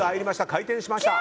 回転しました。